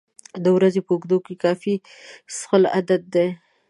د ورځې په اوږدو کې کافي څښل عادت دی.